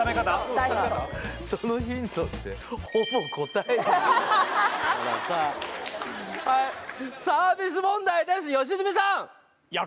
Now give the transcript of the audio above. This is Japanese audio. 大ヒントそのヒントってはいサービス問題です良純さん！